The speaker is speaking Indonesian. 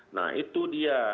nah itu dia